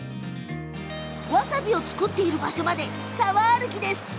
わさびを作っている場所まで沢歩きです。